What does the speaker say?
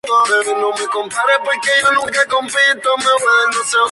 En la actualidad su número de algunos miles, sin un cálculo exacto oficial.